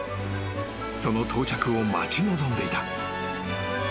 その到着を待ち望んでいた］